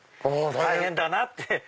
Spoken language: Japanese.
大変だなって。